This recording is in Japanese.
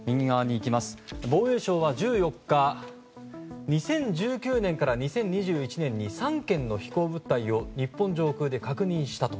防衛省は１４日２０１９年から２０２１年に３件の飛行物体を日本上空で確認したと。